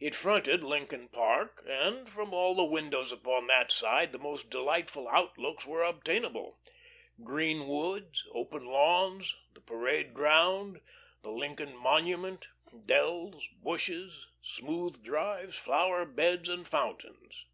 It fronted Lincoln Park, and from all the windows upon that side the most delightful outlooks were obtainable green woods, open lawns, the parade ground, the Lincoln monument, dells, bushes, smooth drives, flower beds, and fountains.